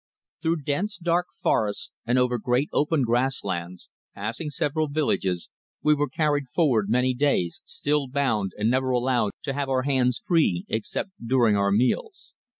THROUGH dense dark forests and over great open grass lands, passing several villages, we were carried forward many days, still bound and never allowed to have our hands free except during our meals.